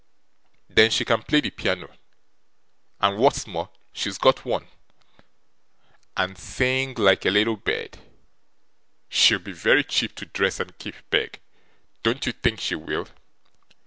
Then she can play the piano, (and, what's more, she's got one), and sing like a little bird. She'll be very cheap to dress and keep, Peg; don't you think she will?